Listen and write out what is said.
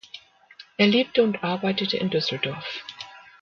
Er lebte und arbeitete in Düsseldorf.